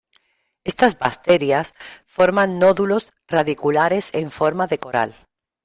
Estas bacterias forman nódulos radiculares en forma de coral.